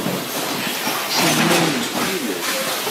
Iselman deg yilel.